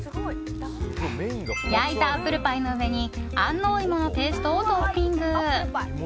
焼いたアップルパイの上に安納芋のペーストをトッピング。